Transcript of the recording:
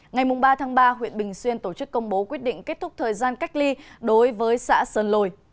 ngày ba ba huyện bình xuyên tổ chức công bố quyết định kết thúc thời gian cách ly đối với xã sơn lồi